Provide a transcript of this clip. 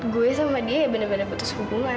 gue sama dia ya bener bener putus hubungan